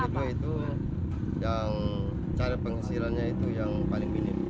karena itu yang cara penghasilannya itu yang paling minim